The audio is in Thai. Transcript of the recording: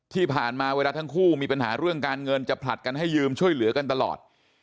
ที่ผ่านมาเวลาทั้งคู่มีปัญหาเรื่องการเงินจะผลัดกันให้ยืมช่วยเหลือกันตลอด